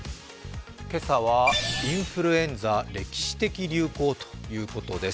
今朝はインフルエンザ、歴史的流行ということです。